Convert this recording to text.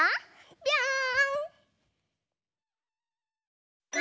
ぴょん！